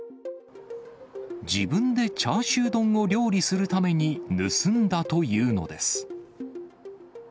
自分でチャーシュー丼を料理するために盗んだというのです。